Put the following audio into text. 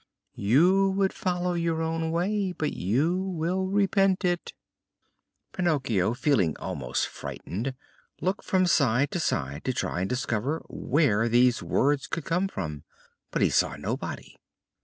you would follow your own way, but you will repent it!" Pinocchio, feeling almost frightened, looked from side to side to try and discover where these words could come from, but he saw nobody.